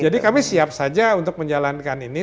jadi kami siap saja untuk menjalankan ini